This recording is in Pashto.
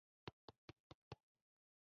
رومیان په غنمو، تېلو او شرابو بوخت کړای شول